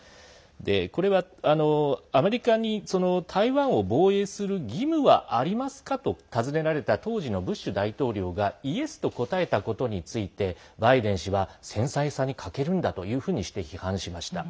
これはアメリカに台湾を防衛する義務はありますか？と尋ねられた当時のブッシュ大統領がイエスと答えたことについてバイデン氏は繊細さに欠けるんだというふうにして批判しました。